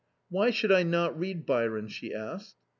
" Why should I not read Byron ?" she asked.